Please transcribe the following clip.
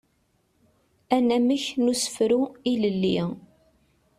Anamek n usefru ilelli.